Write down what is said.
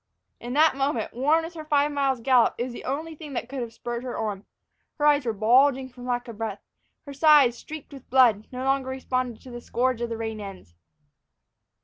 In that moment, worn with her five miles' gallop, it was the only thing that could have spurred her on. Her eyes were bulging from lack of breath. Her sides, streaked with blood, no longer responded to the scourge of the rein ends.